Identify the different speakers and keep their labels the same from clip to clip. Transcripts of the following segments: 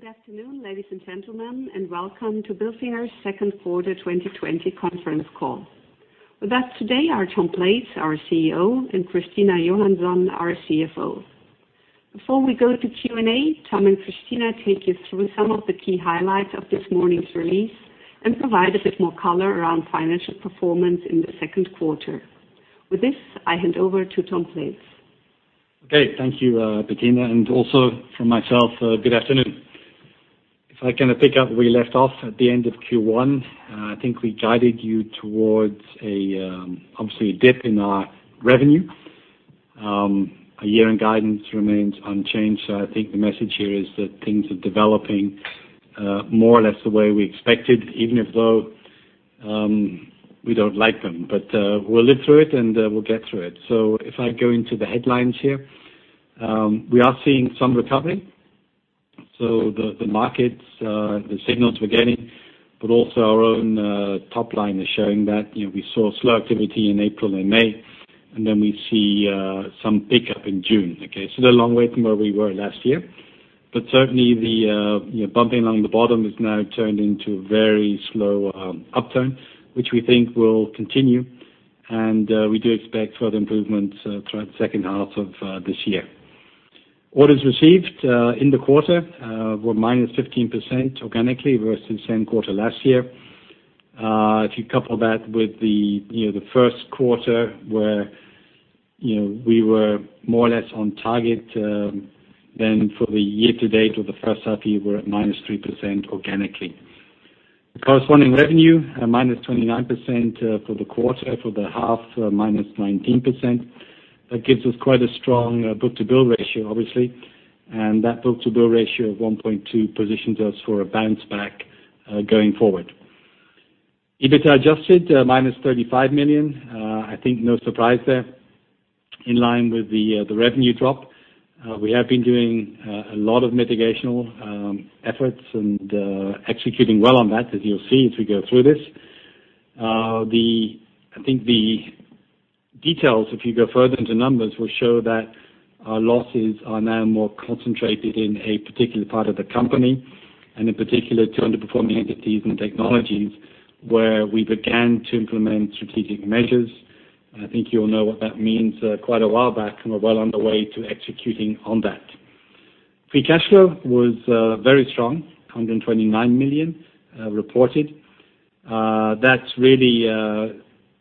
Speaker 1: Good afternoon, ladies and gentlemen, and welcome to Bilfinger's second quarter 2020 conference call. With us today are Tom Blades, our CEO, and Christina Johansson, our CFO. Before we go to Q&A, Tom and Christina take you through some of the key highlights of this morning's release and provide a bit more color around financial performance in the second quarter. With this, I hand over to Tom Blades.
Speaker 2: Thank you, Bettina, and also from myself, good afternoon. If I can pick up where we left off at the end of Q1, I think we guided you towards, obviously, a dip in our revenue. Our year-end guidance remains unchanged. I think the message here is that things are developing more or less the way we expected, even though we don't like them. We'll live through it, and we'll get through it. If I go into the headlines here, we are seeing some recovery. The markets, the signals we're getting, also our own top line is showing that. We saw slow activity in April and May, we see some pickup in June. Okay, still a long way from where we were last year, certainly the bumping along the bottom has now turned into a very slow upturn, which we think will continue. We do expect further improvements throughout the second half of this year. Orders received in the quarter were -15% organically versus the same quarter last year. If you couple that with the first quarter where we were more or less on target, then for the year to date or the first half year, we're at -3% organically. The corresponding revenue, at -29% for the quarter. For the half, -19%. That gives us quite a strong book-to-bill ratio, obviously. That book-to-bill ratio of 1.2 positions us for a bounce back going forward. EBITDA adjusted, -35 million. I think no surprise there. In line with the revenue drop. We have been doing a lot of mitigational efforts and executing well on that, as you'll see as we go through this. I think the details, if you go further into numbers, will show that our losses are now more concentrated in a particular part of the company, and in particular, two underperforming entities and technologies where we began to implement strategic measures. I think you'll know what that means quite a while back, and we're well on the way to executing on that. Free cash flow was very strong, 129 million reported. That's really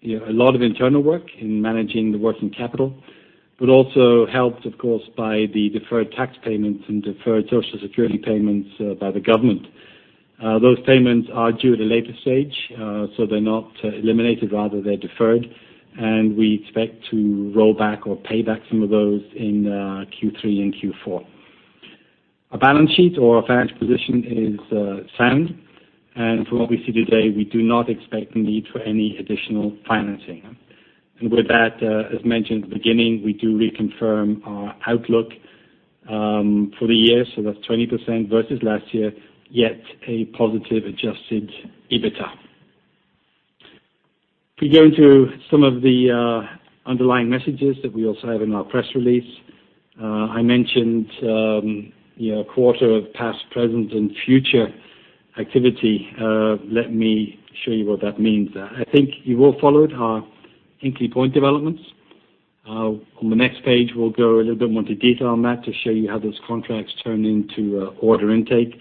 Speaker 2: a lot of internal work in managing the working capital, but also helped, of course, by the deferred tax payments and deferred Social Security payments by the government. Those payments are due at a later stage, so they're not eliminated. Rather, they're deferred, and we expect to roll back or pay back some of those in Q3 and Q4. Our balance sheet or our financial position is sound. From what we see today, we do not expect a need for any additional financing. With that, as mentioned at the beginning, we do reconfirm our outlook for the year. That's 20% versus last year, yet a positive adjusted EBITDA. If we go into some of the underlying messages that we also have in our press release. I mentioned a quarter of past, present, and future activity. Let me show you what that means. I think you all followed our Hinkley Point developments. On the next page, we'll go a little bit more into detail on that to show you how those contracts turn into order intake.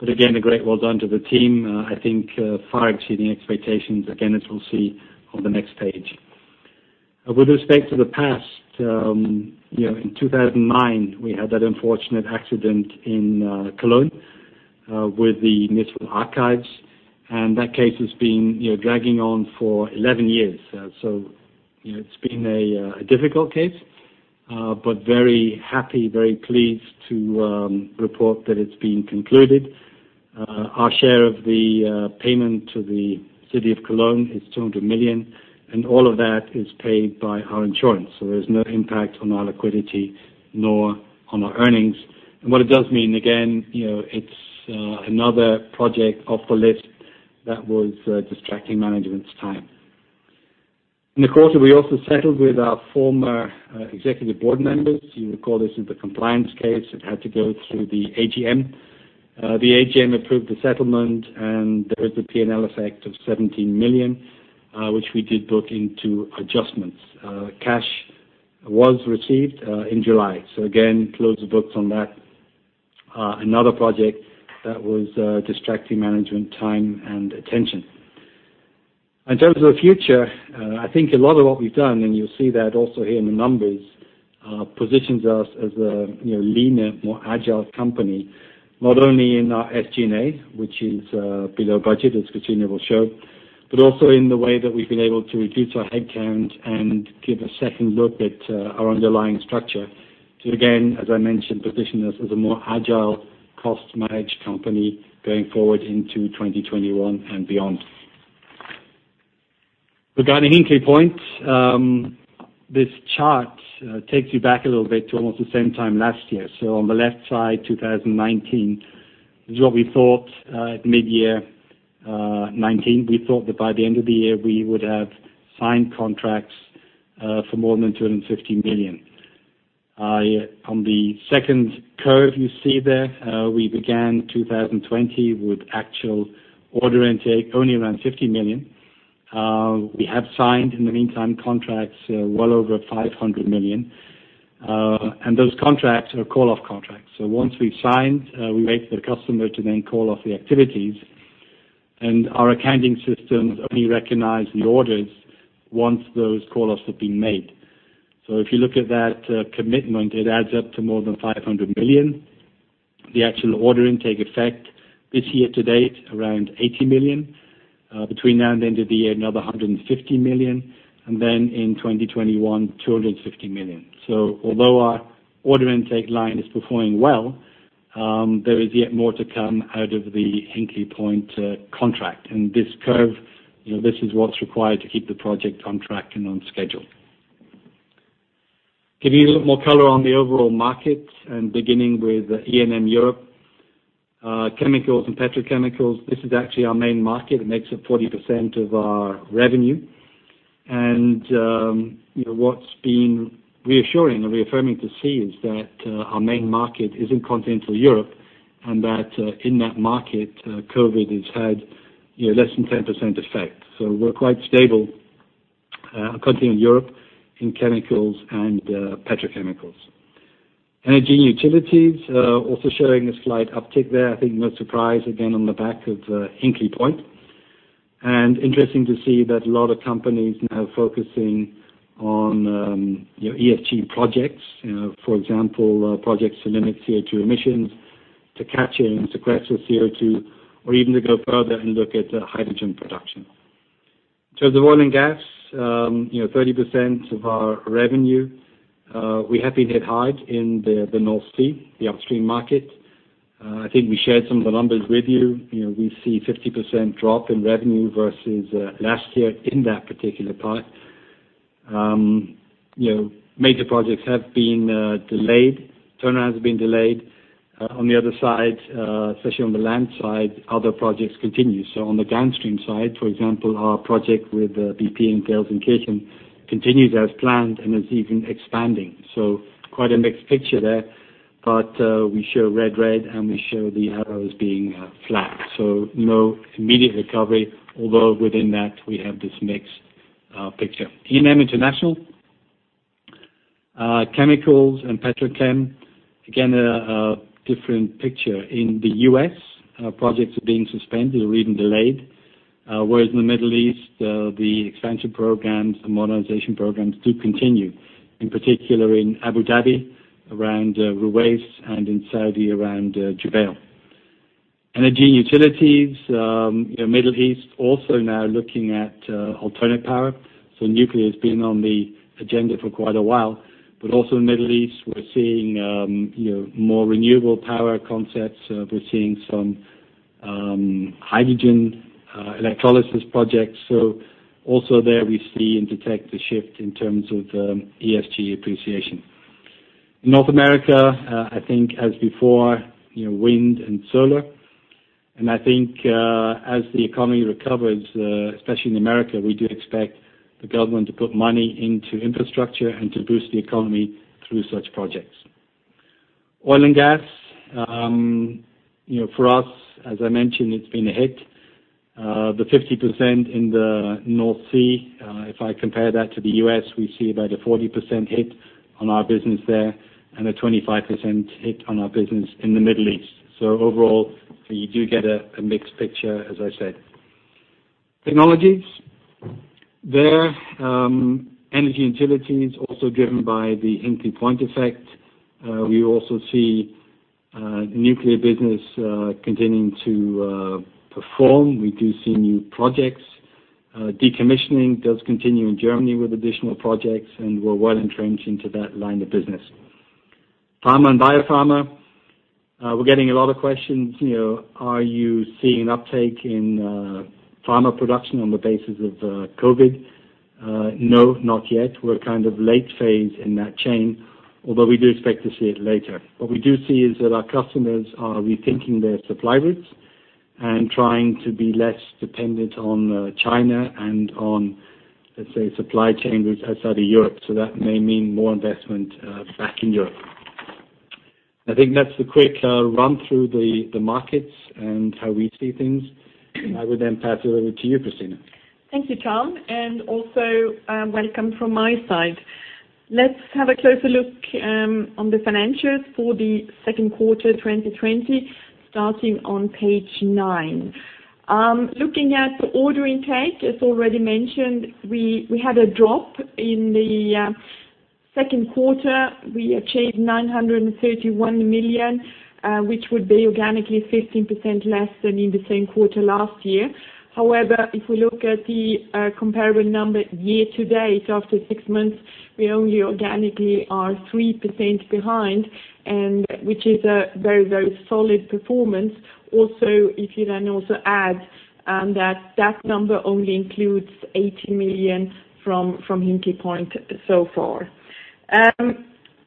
Speaker 2: Again, a great well done to the team. I think far exceeding expectations, again, as we'll see on the next page. With respect to the past, in 2009, we had that unfortunate accident in Cologne with the municipal archives, and that case has been dragging on for 11 years. It's been a difficult case. Very happy, very pleased to report that it's been concluded. Our share of the payment to the city of Cologne is 200 million, all of that is paid by our insurance. There is no impact on our liquidity nor on our earnings. What it does mean, again, it's another project off the list that was distracting management's time. In the quarter, we also settled with our former executive board members. You recall this is the compliance case that had to go through the AGM. The AGM approved the settlement, there is a P&L effect of 17 million, which we did book into adjustments. Cash was received in July. Again, close the books on that. Another project that was distracting management time and attention. In terms of the future, I think a lot of what we've done, you'll see that also here in the numbers, positions us as a leaner, more agile company, not only in our SG&A, which is below budget, as Christina will show, also in the way that we've been able to reduce our headcount and give a second look at our underlying structure to, again, as I mentioned, position us as a more agile, cost-managed company going forward into 2021 and beyond. Regarding Hinkley Point, this chart takes you back a little bit to almost the same time last year. On the left side, 2019. This is what we thought at mid-year 2019. We thought that by the end of the year, we would have signed contracts for more than 250 million. On the second curve you see there, we began 2020 with actual order intake only around 50 million. We have signed, in the meantime, contracts well over 500 million. Those contracts are call-off contracts. Once we've signed, we wait for the customer to then call off the activities. Our accounting systems only recognize the orders once those call-offs have been made. If you look at that commitment, it adds up to more than 500 million. The actual order intake effect this year to date, around 80 million. Between now and the end of the year, another 150 million. In 2021, 250 million. Although our order intake line is performing well, there is yet more to come out of the Hinkley Point contract. This curve, this is what's required to keep the project on track and on schedule. Give you a little more color on the overall market and beginning with E&M Europe. Chemicals and petrochemicals, this is actually our main market. It makes up 40% of our revenue. What's been reassuring or reaffirming to see is that our main market is in continental Europe, and that in that market, COVID has had less than 10% effect. We're quite stable, continuing Europe in chemicals and petrochemicals. Energy and utilities, also showing a slight uptick there. I think no surprise again on the back of Hinkley Point. Interesting to see that a lot of companies now focusing on ESG projects. For example, projects to limit CO2 emissions, to sequester CO2, or even to go further and look at hydrogen production. The oil and gas, 30% of our revenue. We have been hit hard in the North Sea, the upstream market. I think we shared some of the numbers with you. We see 50% drop in revenue versus last year in that particular part. Major projects have been delayed. Turnaround has been delayed. On the other side, especially on the land side, other projects continue. On the downstream side, for example, our project with BP Gelsenkirchen continues as planned and is even expanding. Quite a mixed picture there, but we show red, and we show the arrows being flat. No immediate recovery, although within that, we have this mixed picture. E&M International. Chemicals and petrochem, again, a different picture. In the U.S., projects are being suspended or even delayed, whereas in the Middle East, the expansion programs, the modernization programs do continue, in particular in Abu Dhabi, around Ruwais, and in Saudi, around Jubail. Energy and utilities, Middle East also now looking at alternate power. Nuclear has been on the agenda for quite a while, but also in Middle East, we're seeing more renewable power concepts. We're seeing some hydrogen electrolysis projects. Also there we see and detect the shift in terms of ESG appreciation. North America, I think as before, wind and solar. I think, as the economy recovers, especially in the U.S., we do expect the government to put money into infrastructure and to boost the economy through such projects. Oil and gas. For us, as I mentioned, it's been a hit. The 50% in the North Sea, if I compare that to the U.S., we see about a 40% hit on our business there and a 25% hit on our business in the Middle East. Overall, you do get a mixed picture, as I said. Technologies. There, energy and utilities also driven by the Hinkley Point effect. We also see nuclear business continuing to perform. We do see new projects. Decommissioning does continue in Germany with additional projects, and we're well entrenched into that line of business. Pharma and biopharma. We're getting a lot of questions, are you seeing an uptake in pharma production on the basis of COVID? No, not yet. We're kind of late phase in that chain, although we do expect to see it later. What we do see is that our customers are rethinking their supply routes and trying to be less dependent on China and on, let's say, supply chains outside of Europe. That may mean more investment back in Europe. I think that's the quick run through the markets and how we see things. I would pass it over to you, Christina.
Speaker 3: Thank you, Tom Blades, and also welcome from my side. Let's have a closer look on the financials for the second quarter 2020, starting on page nine. Looking at the order intake, as already mentioned, we had a drop in the second quarter. We achieved 931 million EUR, which would be organically 15% less than in the same quarter last year. However, if we look at the comparable number year to date, after six months, we only organically are 3% behind, which is a very solid performance. Also if you then also add that that number only includes 80 million EUR from Hinkley Point so far.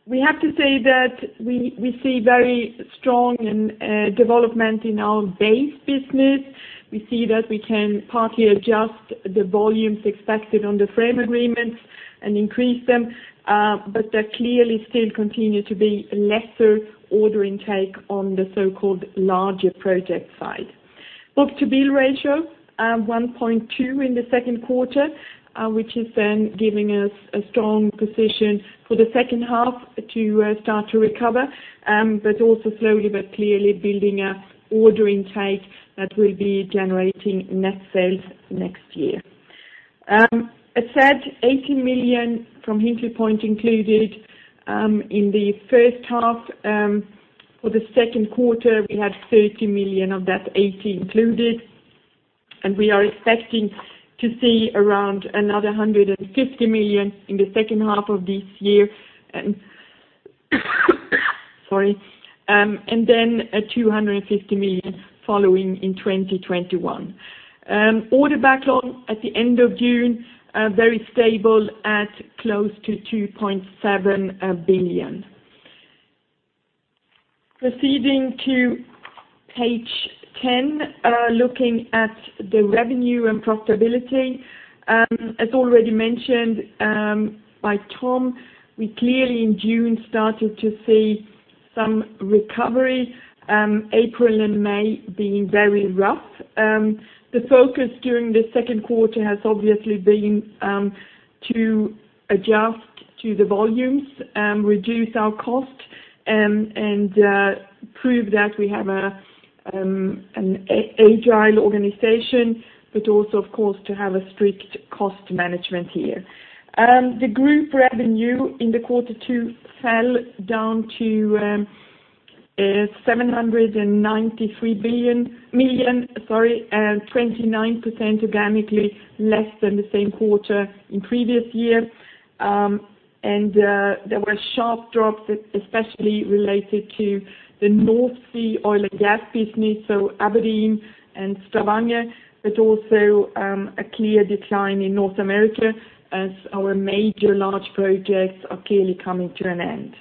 Speaker 3: We have to say that we see very strong development in our base business. We see that we can partly adjust the volumes expected on the frame agreements and increase them, but there clearly still continue to be lesser order intake on the so-called larger project side. Book-to-bill ratio, 1.2 in the second quarter, which is then giving us a strong position for the second half to start to recover, but also slowly but clearly building up order intake that will be generating net sales next year. As said, 80 million from Hinkley Point included in the first half. For the second quarter, we had 30 million of that 80 included, and we are expecting to see around another 150 million in the second half of this year, and then 250 million following in 2021. Order backlog at the end of June, very stable at close to 2.7 billion. Proceeding to page 10, looking at the revenue and profitability. As already mentioned by Tom, we clearly in June started to see some recovery, April and May being very rough. The focus during the second quarter has obviously been to adjust to the volumes, reduce our cost, and prove that we have an agile organization, but also, of course, to have a strict cost management here. The group revenue in the quarter two fell down to 793 million, 29% organically less than the same quarter in previous year. There were sharp drops, especially related to the North Sea oil and gas business, so Aberdeen and Stavanger, but also a clear decline in North America as our major large projects are clearly coming to an end.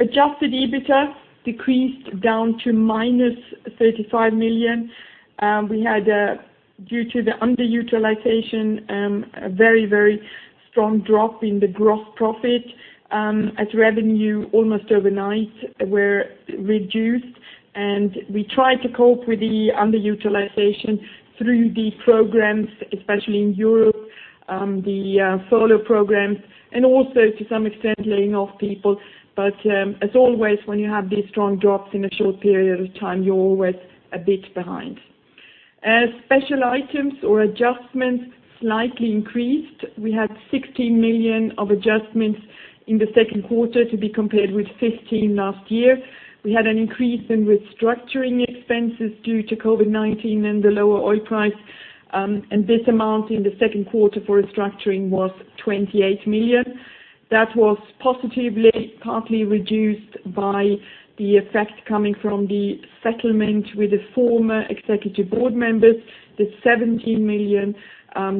Speaker 3: Adjusted EBITDA decreased down to -35 million. We had, due to the underutilization, a very strong drop in the gross profit as revenue almost overnight were reduced. We tried to cope with the underutilization through the programs, especially in Europe, the furlough programs, and also to some extent, laying off people. As always, when you have these strong drops in a short period of time, you're always a bit behind. Special items or adjustments slightly increased. We had 16 million of adjustments in the second quarter to be compared with 15 last year. We had an increase in restructuring expenses due to COVID-19 and the lower oil price. This amount in the second quarter for restructuring was 28 million. That was positively partly reduced by the effect coming from the settlement with the former executive board members, the 17 million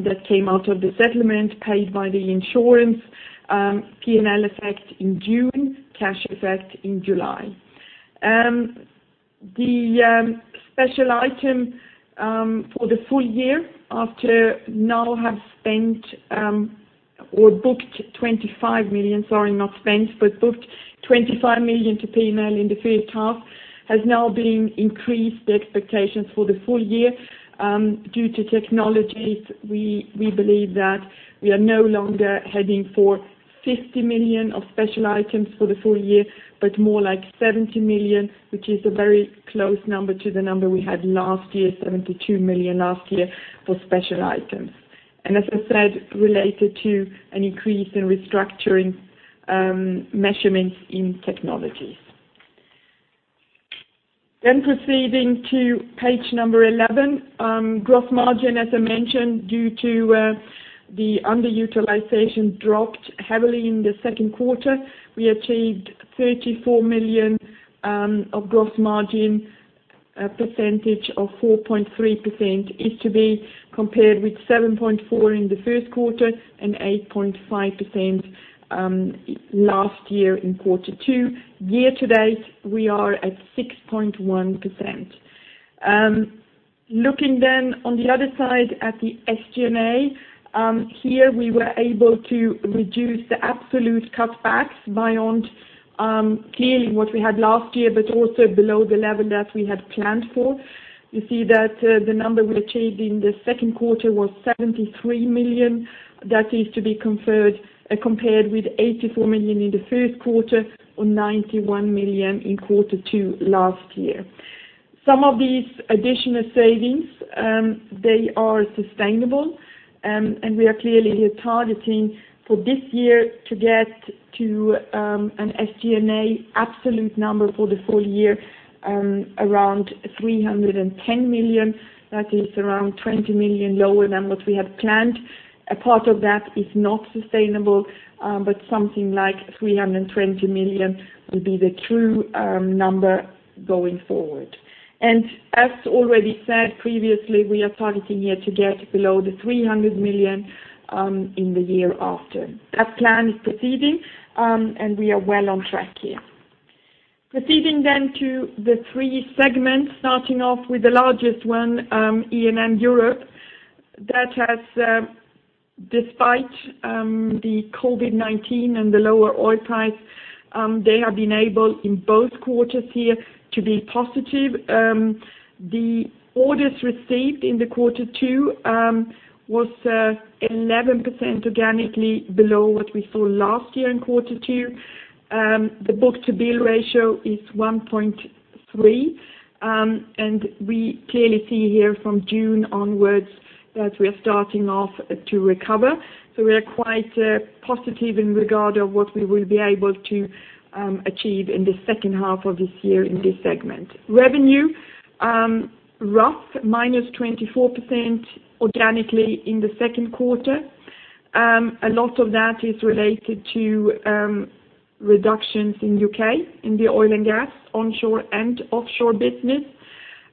Speaker 3: that came out of the settlement paid by the insurance P&L effect in June, cash effect in July. The special item for the full-year, after now have spent or booked 25 million. Sorry, not spent, but booked 25 million to P&L in the first half, has now been increased the expectations for the full-year. Due to technologies, we believe that we are no longer heading for 50 million of special items for the full-year, but more like 70 million, which is a very close number to the number we had last year, 72 million last year for special items. As I said, related to an increase in restructuring measurements in technologies. Proceeding to page number 11. Gross margin, as I mentioned, due to the underutilization, dropped heavily in the second quarter. We achieved 34 million of gross margin, a percentage of 4.3%, is to be compared with 7.4% in the first quarter and 8.5% last year in quarter two. Year-to-date, we are at 6.1%. Looking then on the other side at the SG&A. Here we were able to reduce the absolute cutbacks by around clearly what we had last year, but also below the level that we had planned for. You see that the number we achieved in the second quarter was 73 million. That is to be compared with 84 million in the first quarter or 91 million in quarter two last year. Some of these additional savings, they are sustainable, we are clearly here targeting for this year to get to an SG&A absolute number for the full-year around 310 million. That is around 20 million lower than what we had planned. A part of that is not sustainable, something like 320 million will be the true number going forward. As already said previously, we are targeting here to get below the 300 million in the year after. That plan is proceeding, we are well on track here. Proceeding to the three segments. Starting off with the largest one, E&M Europe. That has, despite the COVID-19 and the lower oil price, they have been able, in both quarters here, to be positive. The orders received in the quarter two was 11% organically below what we saw last year in quarter two. The book-to-bill ratio is 1.3, we clearly see here from June onwards that we are starting off to recover. We are quite positive in regard of what we will be able to achieve in the second half of this year in this segment. Revenue, rough minus 24% organically in the second quarter. A lot of that is related to reductions in U.K., in the oil and gas, onshore and offshore business.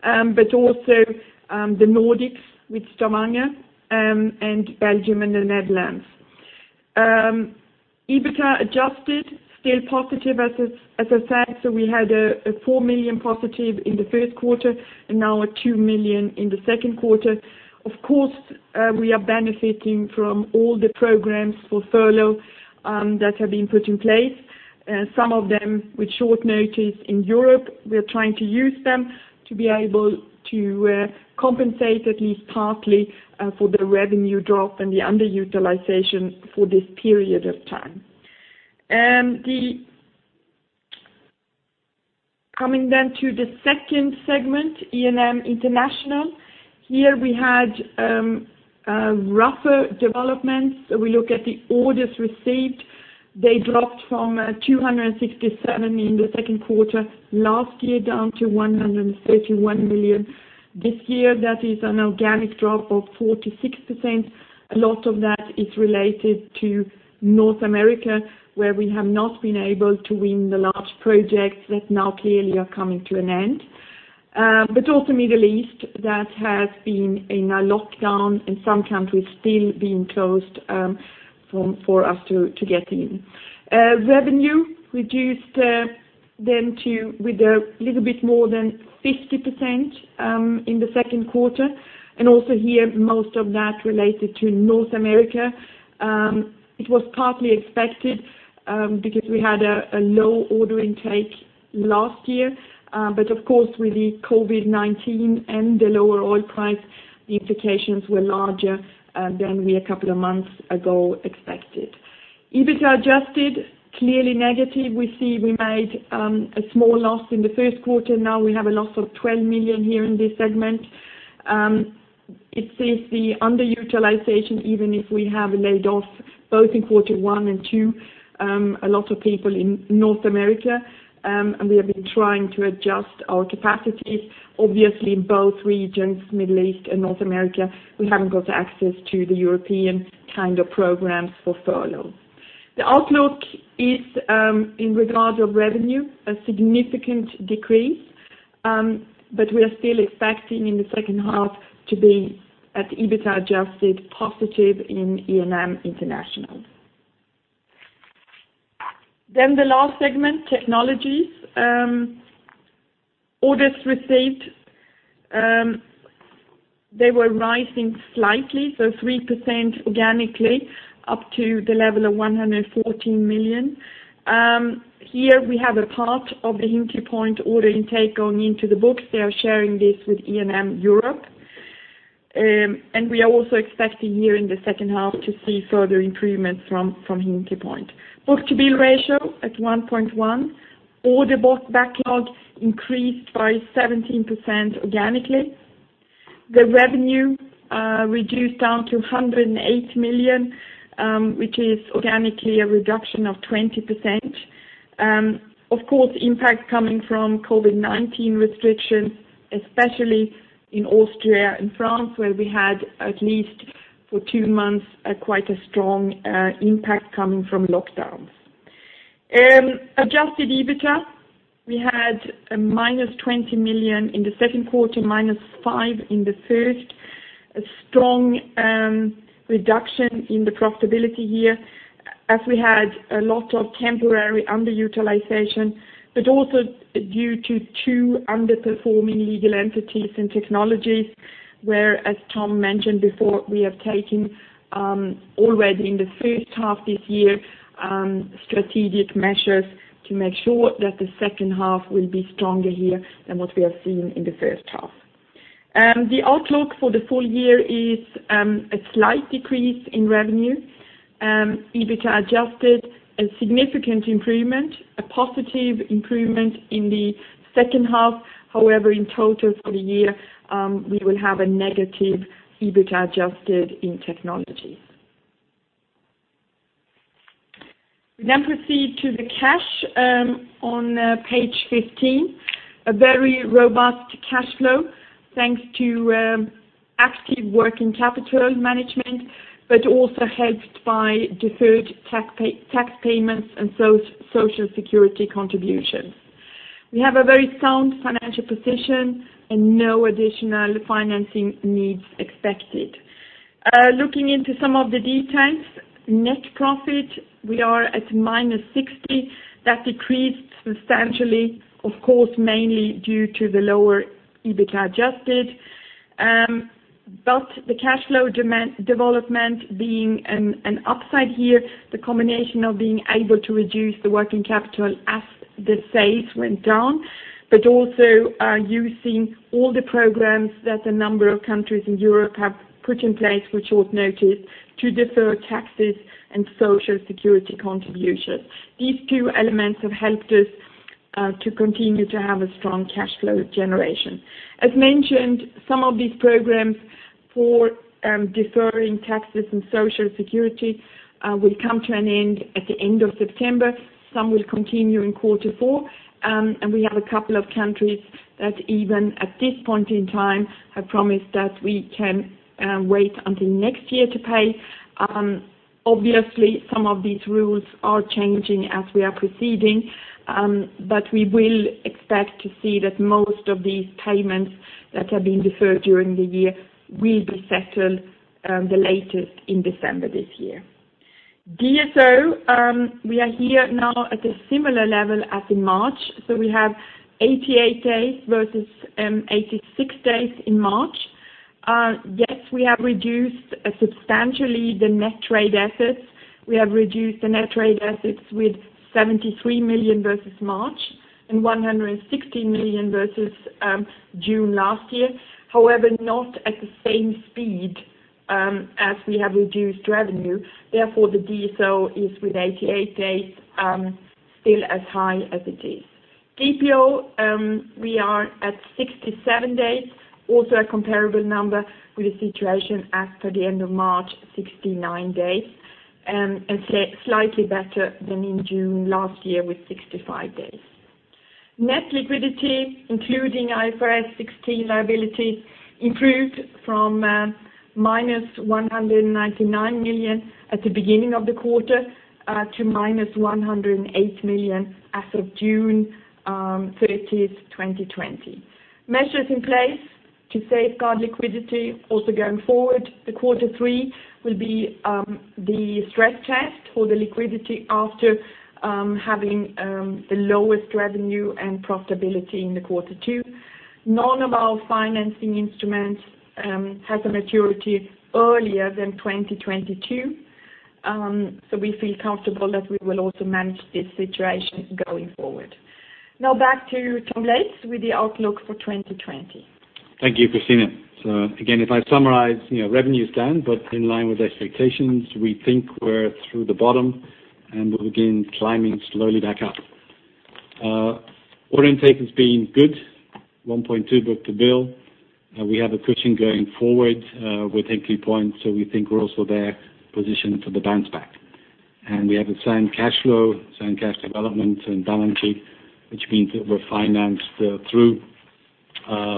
Speaker 3: Also the Nordics with Stavanger and Belgium and the Netherlands. EBITDA adjusted, still positive as I said. We had a 4 million positive in the first quarter and now a 2 million in the second quarter. Of course, we are benefiting from all the programs for furlough that have been put in place. Some of them with short notice in Europe. We are trying to use them to be able to compensate at least partly, for the revenue drop and the underutilization for this period of time. Coming to the second segment, E&M International. Here we had rougher developments. We look at the orders received. They dropped from 267 million in the second quarter last year down to 131 million this year. That is an organic drop of 46%. A lot of that is related to North America, where we have not been able to win the large projects that now clearly are coming to an end. Also Middle East, that has been in a lockdown and some countries still being closed for us to get in. Revenue reduced then too, with a little bit more than 50% in the second quarter. Also here, most of that related to North America. It was partly expected, because we had a low order intake last year. Of course, with the COVID-19 and the lower oil price, the implications were larger than we a couple of months ago expected. EBITDA adjusted, clearly negative. We see we made a small loss in the first quarter. Now we have a loss of 12 million here in this segment. It says the underutilization, even if we have laid off, both in quarter one and two, a lot of people in North America, and we have been trying to adjust our capacities. Obviously, in both regions, Middle East and North America, we haven't got access to the European kind of programs for furlough. The outlook is, in regard of revenue, a significant decrease. We are still expecting in the second half to be at EBITDA adjusted positive in E&M International. The last segment, technologies. Orders received, they were rising slightly, so 3% organically up to the level of 114 million. Here we have a part of the Hinkley Point order intake going into the books. They are sharing this with E&M Europe. We are also expecting here in the second half to see further improvements from Hinkley Point. Book-to-bill ratio at 1.1. Order book backlog increased by 17% organically. The revenue reduced down to 108 million, which is organically a reduction of 20%. Of course, impact coming from COVID-19 restrictions, especially in Austria and France, where we had at least for two months, quite a strong impact coming from lockdowns. Adjusted EBITDA, we had a -20 million in the second quarter, -5 in the first. A strong reduction in the profitability here as we had a lot of temporary underutilization, but also due to two underperforming legal entities and technologies, where, as Tom mentioned before, we have taken, already in the first half this year, strategic measures to make sure that the second half will be stronger here than what we have seen in the first half. The outlook for the full-year is a slight decrease in revenue. EBITDA adjusted, a significant improvement, a positive improvement in the second half. However, in total for the year, we will have a negative EBITDA adjusted in technologies. We proceed to the cash on page 15. A very robust cash flow thanks to active working capital management, but also helped by deferred tax payments and social security contributions. We have a very sound financial position and no additional financing needs expected. Looking into some of the details. Net profit, we are at -60. That decreased substantially, of course, mainly due to the lower EBITDA adjusted. The cash flow development being an upside here, the combination of being able to reduce the working capital as the sales went down, but also are using all the programs that a number of countries in Europe have put in place, which you've noted, to defer taxes and social security contributions. These two elements have helped us to continue to have a strong cash flow generation. As mentioned, some of these programs for deferring taxes and social security will come to an end at the end of September. Some will continue in quarter four, and we have a couple of countries that, even at this point in time, have promised that we can wait until next year to pay. Obviously, some of these rules are changing as we are proceeding, but we will expect to see that most of these payments that have been deferred during the year will be settled the latest in December this year. DSO, we are here now at a similar level as in March. We have 88 days versus 86 days in March. Yes, we have reduced substantially the net trade assets. We have reduced the net trade assets with 73 million versus March and 160 million versus June last year. However, not at the same speed as we have reduced revenue. Therefore, the DSO is with 88 days, still as high as it is. DPO, we are at 67 days. Also a comparable number with the situation as per the end of March, 69 days. Slightly better than in June last year with 65 days. Net liquidity, including IFRS 16 liability, improved from -199 million at the beginning of the quarter, to -108 million as of June 30th, 2020. Measures in place to safeguard liquidity also going forward. The quarter three will be the stress test for the liquidity after having the lowest revenue and profitability in the quarter two. None of our financing instruments has a maturity earlier than 2022. We feel comfortable that we will also manage this situation going forward. Now back to Tom Blades with the outlook for 2020.
Speaker 2: Thank you, Bettina. Again, if I summarize, revenue is down, but in line with expectations. We think we're through the bottom and will begin climbing slowly back up. Order intake has been good, 1.2 book-to-bill. We have a cushion going forward with Hinkley Point, so we think we're also there, positioned for the bounce back. We have the same cash flow, same cash development and balancing, which means that we're financed through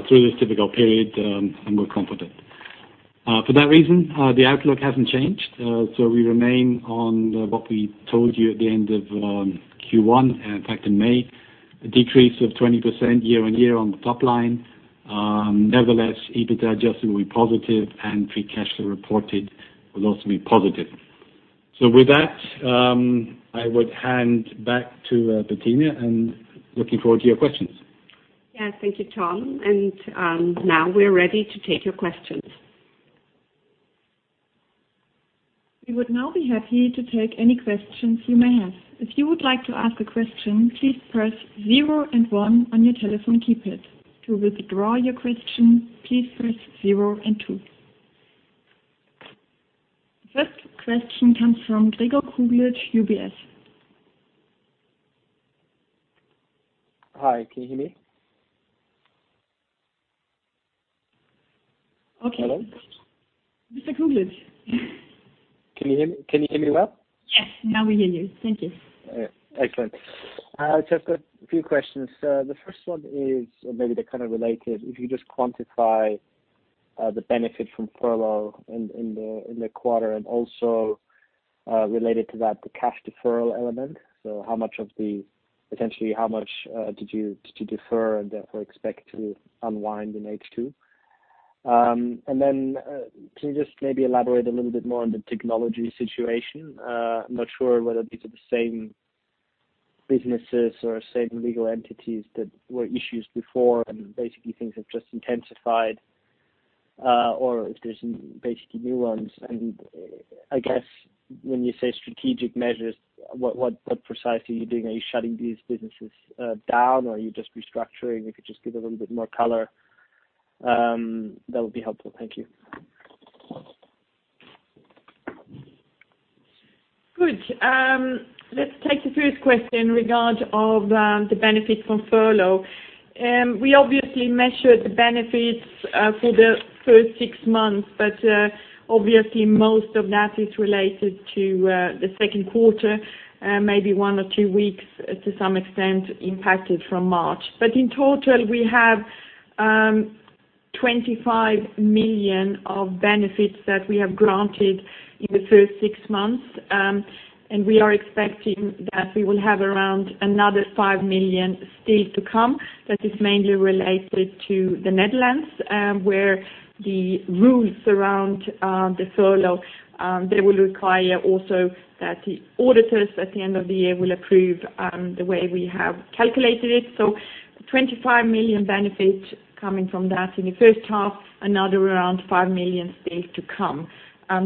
Speaker 2: this difficult period, and we're confident. For that reason, the outlook hasn't changed. We remain on what we told you at the end of Q1, in fact, in May. A decrease of 20% year-on-year on the top line. Nevertheless, EBITDA adjusted will be positive and free cash flow reported will also be positive. With that, I would hand back to Bettina, and looking forward to your questions.
Speaker 1: Yes. Thank you, Tom. Now we're ready to take your questions.
Speaker 4: We would now be happy to take any questions you may have. If you would like to ask a question, please press zero and one on your telephone keypad. To withdraw your question, please press zero and two. First question comes from Gregor Kuglitsch, UBS.
Speaker 5: Hi. Can you hear me?
Speaker 3: Okay.
Speaker 5: Hello?
Speaker 3: Mr. Kuglitsch.
Speaker 5: Can you hear me well?
Speaker 3: Yes. Now we hear you. Thank you.
Speaker 5: All right. Excellent. Just a few questions. The first one is, maybe they're kind of related. If you just quantify the benefit from furlough in the quarter, and also, related to that, the cash deferral element. Potentially, how much did you defer and therefore expect to unwind in H2? Then, can you just maybe elaborate a little bit more on the technology situation? I'm not sure whether these are the same businesses or same legal entities that were issues before and basically things have just intensified, or if there's basically new ones. I guess when you say strategic measures, what precisely are you doing? Are you shutting these businesses down or are you just restructuring? If you could just give a little bit more color, that would be helpful. Thank you.
Speaker 3: Good. Let's take the first question in regard of the benefit from furlough. We obviously measured the benefits for the first six months, but obviously most of that is related to the second quarter, maybe one or two weeks to some extent impacted from March. In total, we have 25 million of benefits that we have granted in the first six months. We are expecting that we will have around another 5 million still to come. That is mainly related to the Netherlands, where the rules around the furlough, they will require also that the auditors at the end of the year will approve the way we have calculated it. 25 million benefit coming from that in the first half, another around 5 million still to come.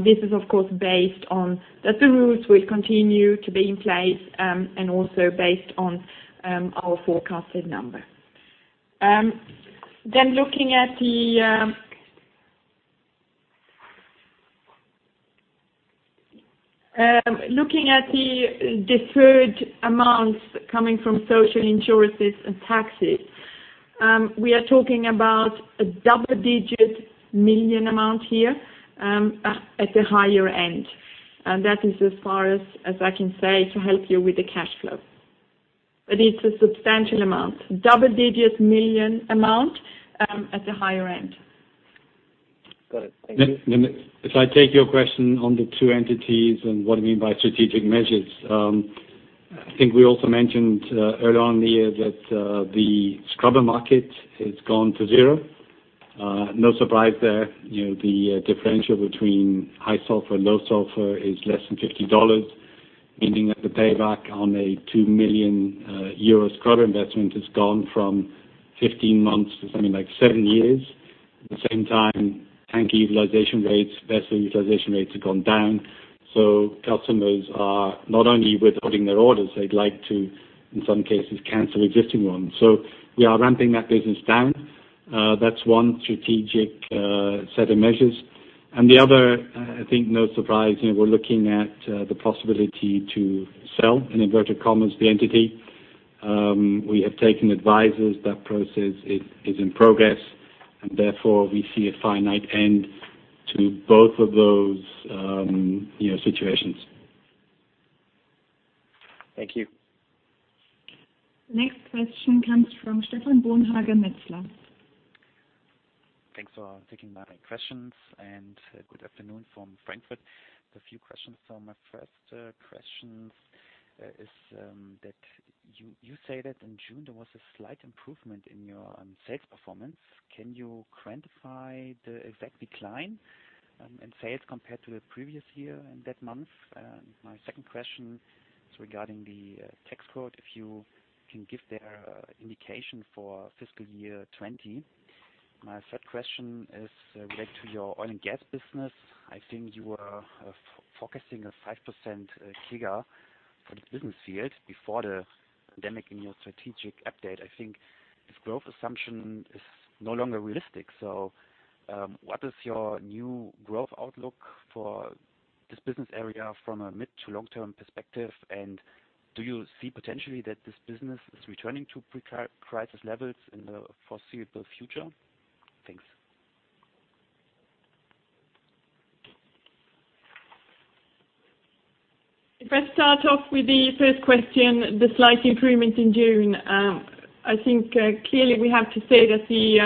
Speaker 3: This is, of course, based on that the rules will continue to be in place, and also based on our forecasted number. Looking at the deferred amounts coming from social insurances and taxes, we are talking about a double-digit million amount here, at the higher end. That is as far as I can say to help you with the cash flow. It's a substantial amount. Double-digits million amount, at the higher end.
Speaker 5: Got it. Thank you.
Speaker 2: If I take your question on the two entities and what do you mean by strategic measures. I think we also mentioned earlier on here that the scrubber market has gone to zero. No surprise there. The differential between high sulfur and low sulfur is less than $50, meaning that the payback on a 2 million euro scrubber investment has gone from 15 months to something like seven years. At the same time, tank utilization rates, vessel utilization rates have gone down. Customers are not only withholding their orders, they'd like to, in some cases, cancel existing ones. We are ramping that business down. That's one strategic set of measures. The other, I think no surprise, we're looking at the possibility to sell, in inverted commas, the entity. We have taken advisors. That process is in progress, and therefore, we see a finite end to both of those situations.
Speaker 5: Thank you.
Speaker 4: Next question comes from Stephan Bauer, Metzler.
Speaker 6: Thanks for taking my questions, and good afternoon from Frankfurt. A few questions. My first question is that you say that in June there was a slight improvement in your sales performance. Can you quantify the exact decline in sales compared to the previous year in that month? My second question is regarding the tax rate, if you can give the indication for fiscal year 2020. My third question is related to your oil and gas business. I think you were focusing a 5% CAGR for this business field before the pandemic in your strategic update. I think this growth assumption is no longer realistic. What is your new growth outlook for this business area from a mid to long-term perspective? Do you see potentially that this business is returning to pre-crisis levels in the foreseeable future? Thanks.
Speaker 3: If I start off with the first question, the slight improvement in June. I think, clearly we have to say that the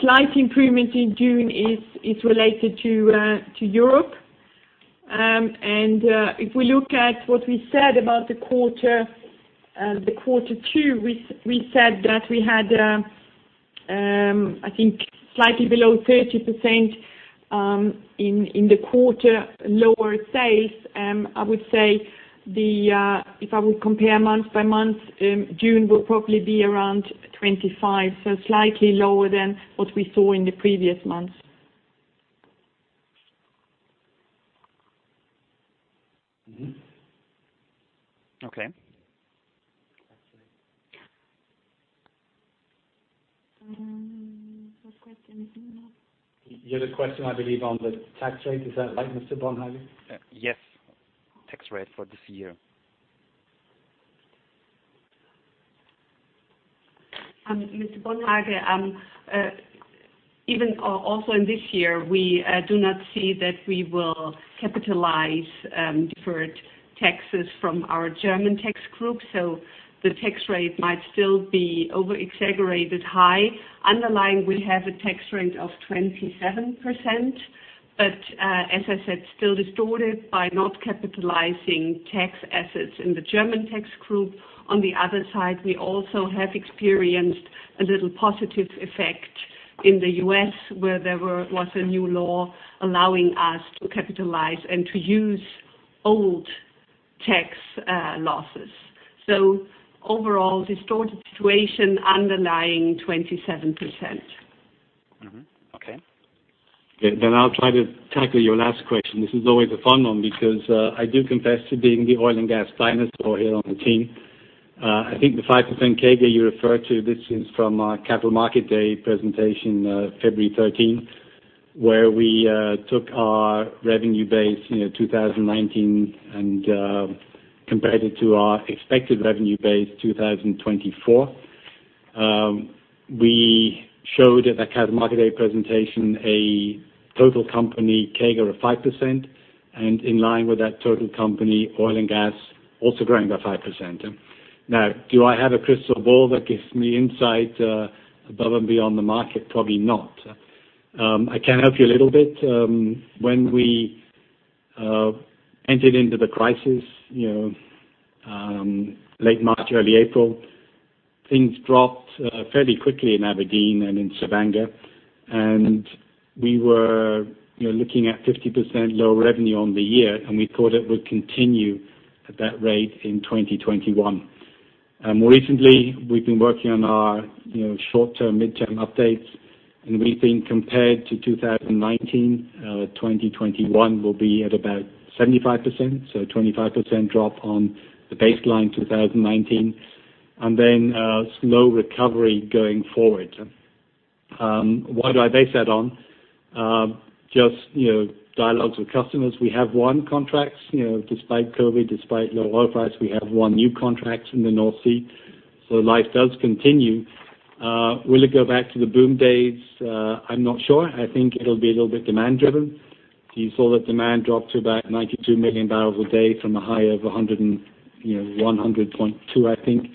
Speaker 3: slight improvement in June is related to Europe. If we look at what we said about the quarter two, we said that we had, I think slightly below 30% in the quarter lower sales. I would say if I would compare month by month, June will probably be around 25%, so slightly lower than what we saw in the previous months.
Speaker 6: Mm-hmm. Okay.
Speaker 4: First question. Anything else?
Speaker 2: The other question, I believe, on the tax rate, is that right, Mr. Bauer?
Speaker 6: Yes. Tax rate for this year.
Speaker 3: Mr. Bauer, also in this year, we do not see that we will capitalize deferred taxes from our German tax group. The tax rate might still be over-exaggerated high. Underlying, we have a tax rate of 27%, but, as I said, still distorted by not capitalizing tax assets in the German tax group. On the other side, we also have experienced a little positive effect in the U.S. where there was a new law allowing us to capitalize and to use old tax losses. Overall, distorted situation underlying 27%.
Speaker 6: Mm-hmm. Okay.
Speaker 2: I'll try to tackle your last question. This is always a fun one because I do confess to being the oil and gas dinosaur here on the team. I think the 5% CAGR you refer to, this is from our Capital Market Day presentation February 13th, where we took our revenue base 2019 and compared it to our expected revenue base 2024. We showed at that Capital Market Day presentation a total company CAGR of 5%. In line with that total company, oil and gas also growing by 5%. Do I have a crystal ball that gives me insight above and beyond the market? Probably not. I can help you a little bit. When we entered into the crisis, late March, early April, things dropped fairly quickly in Aberdeen and in Stavanger. We were looking at 50% lower revenue on the year, and we thought it would continue at that rate in 2021. More recently, we've been working on our short-term, mid-term updates, and we think compared to 2019, 2021 will be at about 75%, so 25% drop on the baseline 2019. Then, slow recovery going forward. What do I base that on? Just dialogues with customers. We have won contracts, despite COVID, despite low oil price, we have won new contracts in the North Sea. Life does continue. Will it go back to the boom days? I'm not sure. I think it'll be a little bit demand driven. You saw that demand dropped to about 92 million barrels a day from a high of 100.2, I think.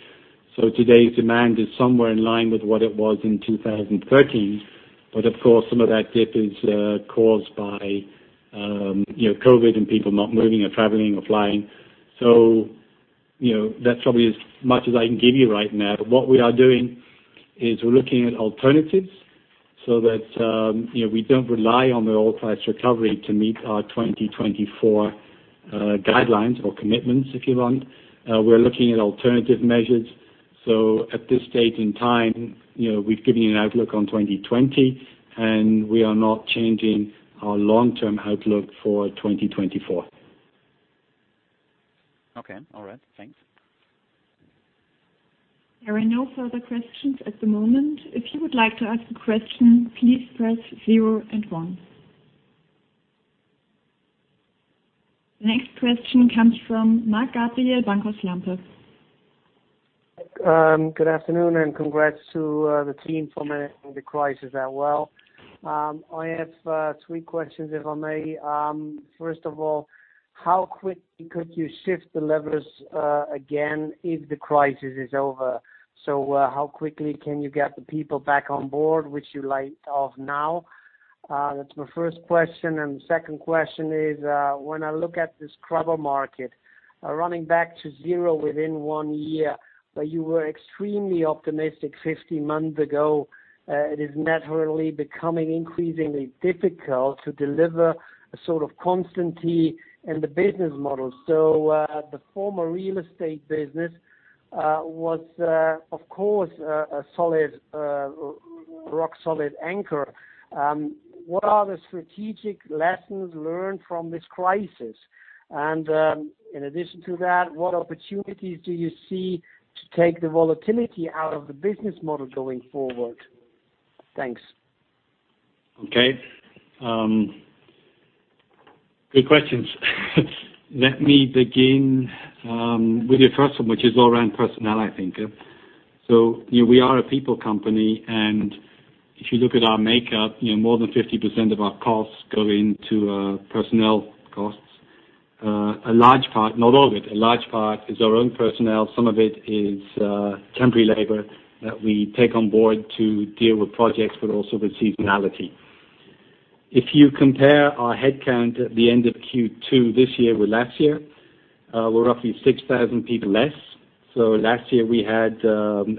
Speaker 2: Of course, some of that dip is caused by COVID-19 and people not moving or traveling or flying. That's probably as much as I can give you right now. What we are doing is we're looking at alternatives so that we don't rely on the oil price recovery to meet our 2024 guidelines or commitments, if you want. We're looking at alternative measures. At this stage in time, we've given you an outlook on 2020, and we are not changing our long-term outlook for 2024.
Speaker 6: Okay. All right. Thanks.
Speaker 4: There are no further questions at the moment. If you would like to ask a question, please press zero and one. The next question comes from Marc Gabriel, Bankhaus Lampe.
Speaker 7: Good afternoon. Congrats to the team for managing the crisis that well. I have three questions, if I may. First of all, how quickly could you shift the levers again if the crisis is over? How quickly can you get the people back on board, which you laid off now? That's my first question. Second question is, when I look at the scrubber market, running back to zero within one year, where you were extremely optimistic 15 months ago, it is naturally becoming increasingly difficult to deliver a sort of constantly in the business model. The former real estate business was, of course, a rock solid anchor. What are the strategic lessons learned from this crisis? In addition to that, what opportunities do you see to take the volatility out of the business model going forward? Thanks.
Speaker 2: Okay. Good questions. Let me begin with your first one, which is all around personnel, I think. We are a people company, and if you look at our makeup, more than 50% of our costs go into personnel costs. A large part, not all of it, a large part is our own personnel. Some of it is temporary labor that we take on board to deal with projects, but also with seasonality. If you compare our headcount at the end of Q2 this year with last year, we're roughly 6,000 people less. Last year, we had,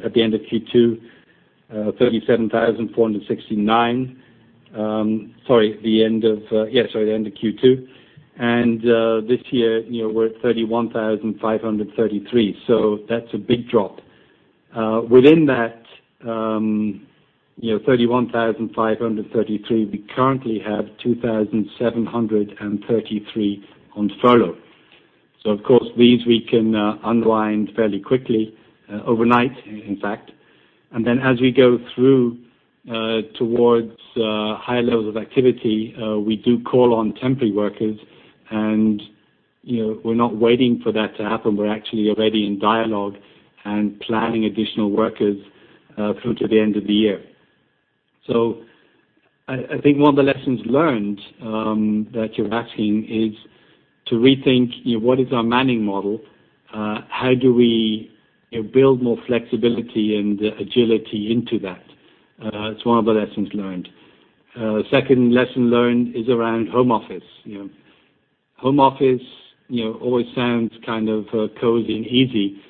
Speaker 2: at the end of Q2, 37,469. Sorry, at the end of Q2. This year, we're at 31,533, so that's a big drop. Within that 31,533, we currently have 2,733 on furlough. Of course, these we can unwind fairly quickly, overnight, in fact. As we go through towards higher levels of activity, we do call on temporary workers and we're not waiting for that to happen. We're actually already in dialogue and planning additional workers through to the end of the year. I think one of the lessons learned, that you're asking is to rethink what is our manning model? How do we build more flexibility and agility into that? It's one of the lessons learned. Second lesson learned is around home office. Home office always sounds kind of cozy and easy.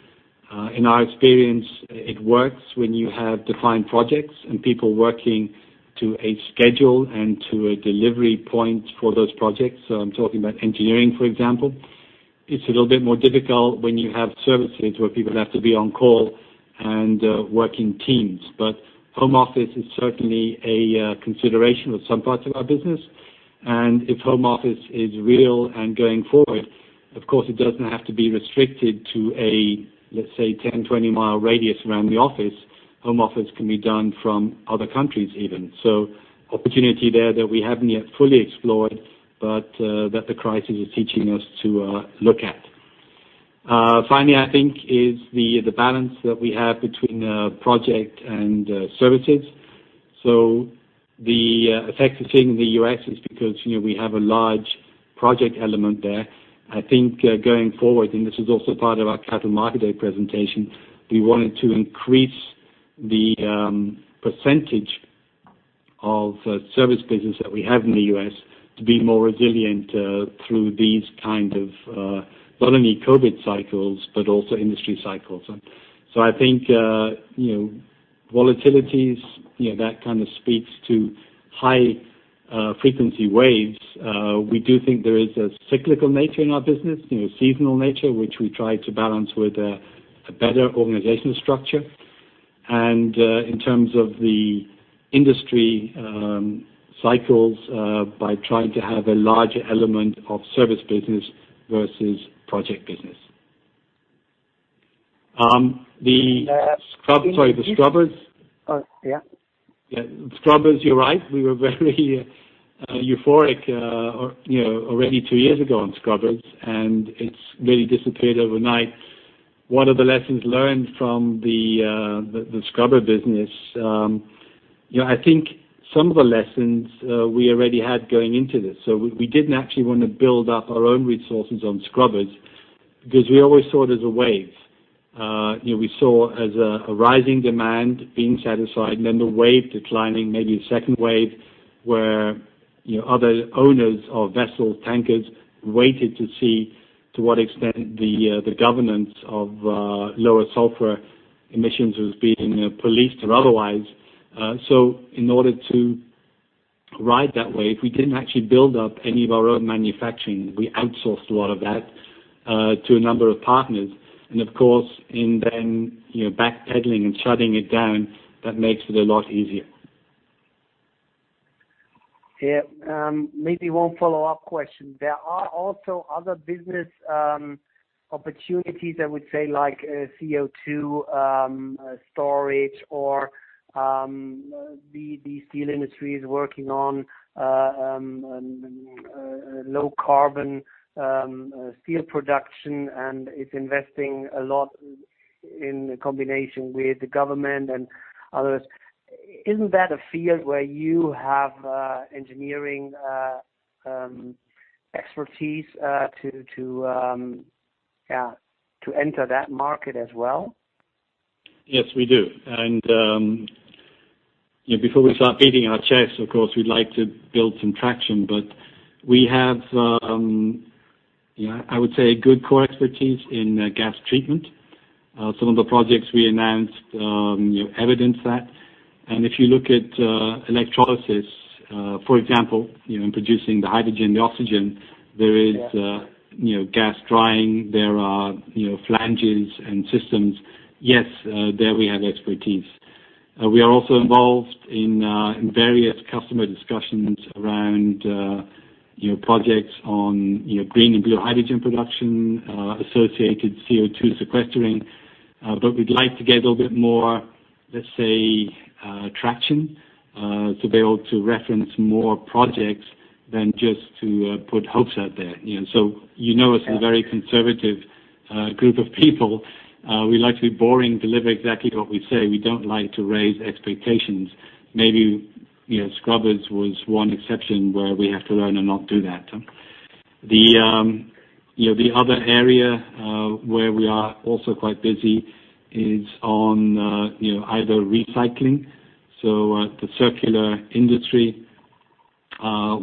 Speaker 2: In our experience, it works when you have defined projects and people working to a schedule and to a delivery point for those projects. I'm talking about engineering, for example. It's a little bit more difficult when you have services where people have to be on call and work in teams. Home office is certainly a consideration with some parts of our business. If home office is real and going forward, of course, it doesn't have to be restricted to a, let's say, 10, 20-mile radius around the office. Home office can be done from other countries even. Opportunity there that we haven't yet fully explored, but that the crisis is teaching us to look at. Finally, I think, is the balance that we have between project and services. The effect we're seeing in the U.S. is because we have a large project element there. I think going forward, and this is also part of our Capital Market Day presentation, we wanted to increase the percentage of service business that we have in the U.S. to be more resilient through these kind of, not only COVID cycles, but also industry cycles. I think volatilities, that kind of speaks to high frequency waves. We do think there is a cyclical nature in our business, seasonal nature, which we try to balance with a better organizational structure. In terms of the industry cycles, by trying to have a larger element of service business versus project business. The scrubbers.
Speaker 7: Oh, yeah.
Speaker 2: Scrubbers, you're right. We were very euphoric already two years ago on scrubbers, and it's really dissipated overnight. What are the lessons learned from the scrubber business? I think some of the lessons we actually had going into this. We didn't actually want to build up our own resources on scrubbers because we always saw it as a wave. We saw as a rising demand being satisfied, and then the wave declining, maybe a second wave, where other owners of vessel tankers waited to see to what extent the governance of lower sulfur emissions was being policed or otherwise. In order to ride that wave, we didn't actually build up any of our own manufacturing. We outsourced a lot of that to a number of partners. Of course, in then backpedaling and shutting it down, that makes it a lot easier.
Speaker 7: Yeah. Maybe one follow-up question. There are also other business opportunities, I would say, like CO2 storage or the steel industry is working on low carbon steel production, and it's investing a lot in combination with the government and others. Isn't that a field where you have engineering expertise to enter that market as well?
Speaker 2: Yes, we do. Before we start beating our chests, of course, we'd like to build some traction. We have, I would say, good core expertise in gas treatment. Some of the projects we announced evidence that. If you look at electrolysis, for example, in producing the hydrogen, the oxygen, there is gas drying, there are flanges and systems. Yes, there we have expertise. We are also involved in various customer discussions around projects on green and blue hydrogen production, associated CO2 sequestering. We'd like to get a little bit more, let's say, traction to be able to reference more projects than just to put hopes out there. You know us as very conservative group of people. We like to be boring, deliver exactly what we say. We don't like to raise expectations. Maybe scrubbers was one exception where we have to learn and not do that. The other area where we are also quite busy is on either recycling, so the circular industry.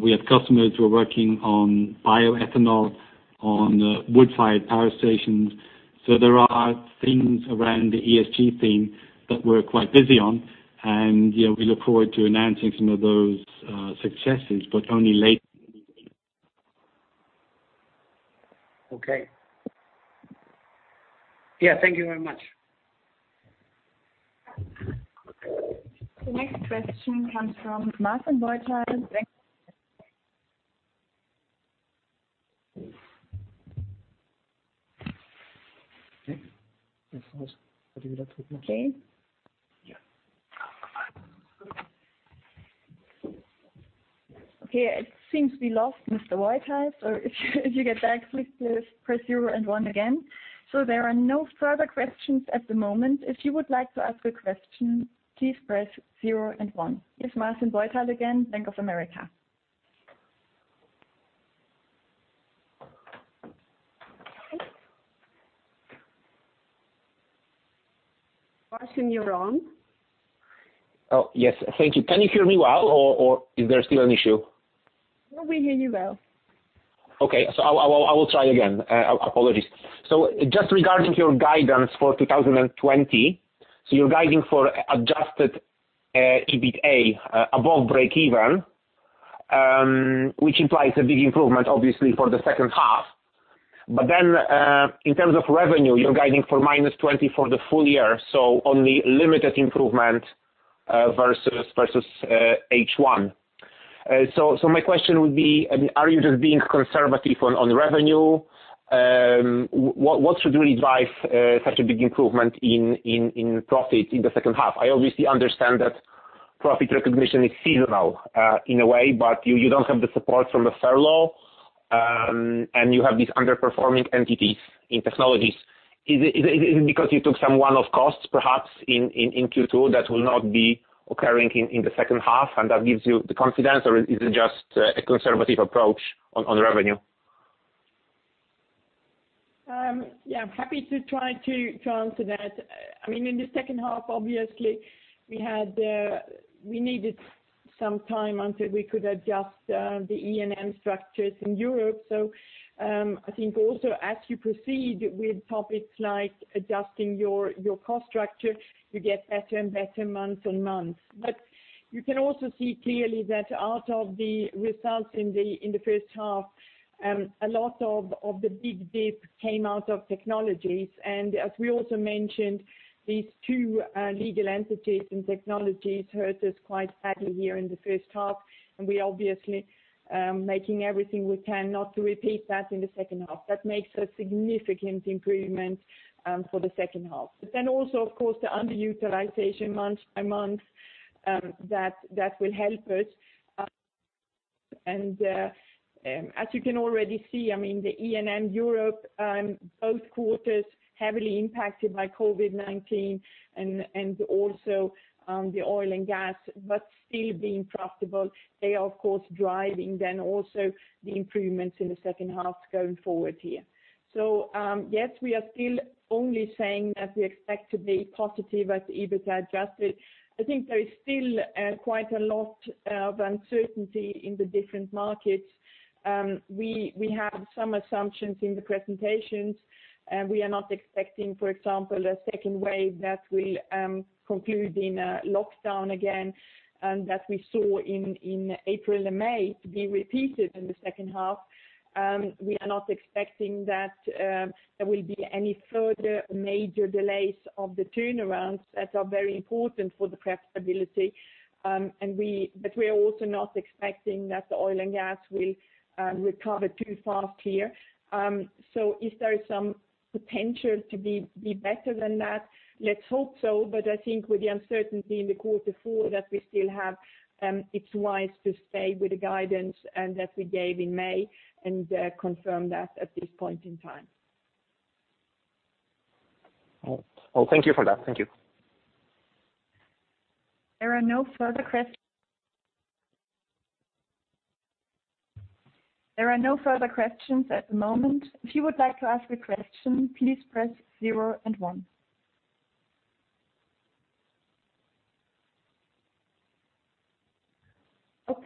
Speaker 2: We have customers who are working on bioethanol, on wood-fired power stations. There are things around the ESG theme that we're quite busy on, and we look forward to announcing some of those successes, but only later in the year.
Speaker 7: Okay. Yeah, thank you very much.
Speaker 4: The next question comes from Martin Bolland Okay. It seems we lost Mr. Bolland. If you get back, please press zero and one again. There are no further questions at the moment. If you would like to ask a question, please press zero and one. It's Martin Bolland again, Bank of America. Martin, you're on.
Speaker 8: Oh, yes. Thank you. Can you hear me well, or is there still an issue?
Speaker 4: We hear you well.
Speaker 8: Okay. I will try again. Apologies. Just regarding your guidance for 2020, so you're guiding for adjusted EBITDA above breakeven, which implies a big improvement, obviously, for the second half. In terms of revenue, you're guiding for -20% for the full-year, so only limited improvement versus H1. My question would be, are you just being conservative on revenue? What should really drive such a big improvement in profit in the second half? I obviously understand that profit recognition is seasonal in a way, but you don't have the support from the furlough, and you have these underperforming entities in technologies. Is it because you took some one-off costs, perhaps in Q2 that will not be occurring in the second half, and that gives you the confidence, or is it just a conservative approach on revenue?
Speaker 3: I'm happy to try to answer that. In the second half, obviously, we needed some time until we could adjust the E&M structures in Europe. I think also as you proceed with topics like adjusting your cost structure, you get better and better month on month. You can also see clearly that out of the results in the first half, a lot of the big dip came out of technologies. As we also mentioned, these two legal entities and technologies hurt us quite badly here in the first half, and we're obviously making everything we can not to repeat that in the second half. Makes a significant improvement for the second half. Of course, the underutilization month by month that will help us. As you can already see, the E&M Europe, both quarters heavily impacted by COVID-19 and also the oil and gas, but still being profitable. They are, of course, driving then also the improvements in the second half going forward here. Yes, we are still only saying that we expect to be positive at the EBITDA adjusted. I think there is still quite a lot of uncertainty in the different markets. We have some assumptions in the presentations, and we are not expecting, for example, a second wave that will conclude in a lockdown again that we saw in April and May to be repeated in the second half. We are not expecting that there will be any further major delays of the turnarounds that are very important for the profitability. We are also not expecting that the oil and gas will recover too fast here. Is there some potential to be better than that? Let's hope so, but I think with the uncertainty in the quarter four that we still have, it's wise to stay with the guidance that we gave in May and confirm that at this point in time.
Speaker 8: Thank you for that. Thank you.
Speaker 1: There are no further questions at the moment.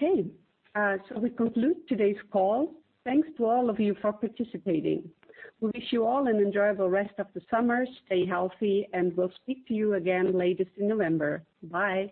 Speaker 1: We conclude today's call. Thanks to all of you for participating. We wish you all an enjoyable rest of the summer. Stay healthy, and we'll speak to you again latest in November. Bye.